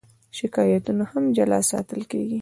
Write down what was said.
شکایتونه هم جلا ساتل کېږي.